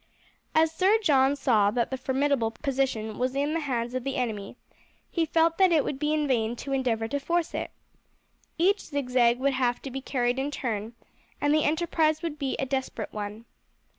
As Sir John saw that the formidable position was in the hands of the enemy he felt that it would be in vain to endeavour to force it. Each zigzag would have to be carried in turn, and the enterprise would be a desperate one.